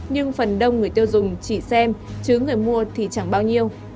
nhưng phần đông người tiêu dùng chỉ xem chứ người mua thì chẳng bao nhiêu